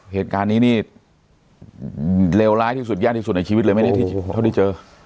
เหตุการณ์นี้นี่เลวร้ายที่สุดยากที่สุดในชีวิตเลยไหมเนี่ยเท่าที่เจอ